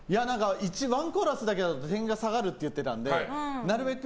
ワンコーラスだけだと点が下がるって言ってたのでなるべく